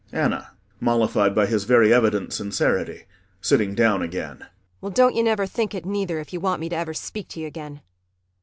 ANNA [Mollified by his very evident sincerity sitting down again.] Well, don't you never think it neither if you want me ever to speak to you again. [Angrily again.